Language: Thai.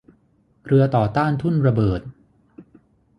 เรือต่อต้านทุ่นระเบิด